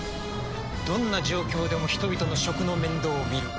どんな状況でも人々の食の面倒を見る。